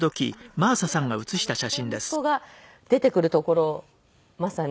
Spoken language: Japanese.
これ息子が出てくるところをまさに。